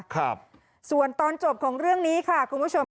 ครับส่วนตอนจบของเรื่องนี้ค่ะคุณผู้ชมค่ะ